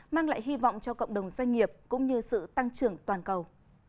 mang lại hy vọng cho cộng đồng doanh nghiệp cũng như sự tăng trưởng toàn cầu